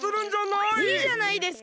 いいじゃないですか。